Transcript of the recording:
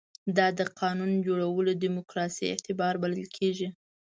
دا د قانون جوړولو دیموکراسي اعتبار بلل کېږي.